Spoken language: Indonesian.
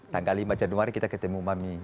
tanggal lima januari kita ketemu mami